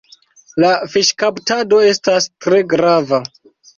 La fiŝkaptado estas tre grava.